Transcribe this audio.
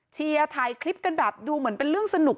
เชียร์ถ่ายคลิปกันดูเหมือนเป็นเรื่องสนุก